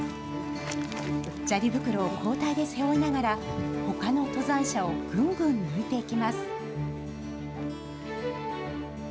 砂利袋を交代で背負いながらほかの登山者をぐんぐん抜いていきます。